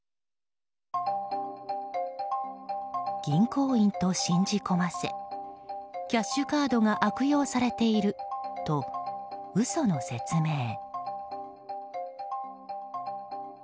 銀行員と信じ込ませキャッシュカードが悪用されていると嘘の説明。